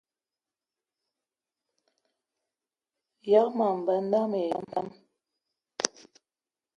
Yas ma menda mayi pam